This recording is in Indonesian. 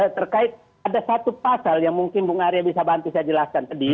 terkait ada satu pasal yang mungkin bung arya bisa bantu saya jelaskan tadi